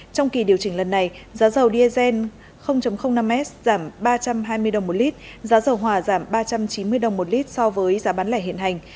trong kỳ điều chỉnh lần này giá dầu diesel năm s giảm ba trăm hai mươi đồng một lít giá dầu hòa giảm ba trăm chín mươi đồng một lít so với giá bán lẻ hiện hành